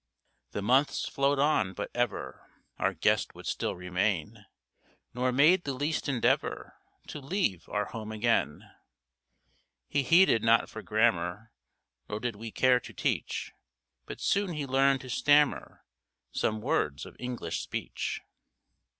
The months flowed on, but ever Our guest would still remain, Nor made the least endeavour To leave our home again. He heeded not for grammar, Nor did we care to teach, But soon he learned to stammer Some words of English speech.